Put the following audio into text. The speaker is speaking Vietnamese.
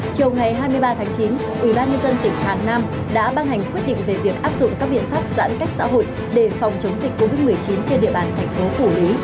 chiều ngày hai mươi ba tháng chín ubnd tỉnh hà nam đã ban hành quyết định về việc áp dụng các biện pháp giãn cách xã hội để phòng chống dịch covid một mươi chín trên địa bàn thành phố phủ lý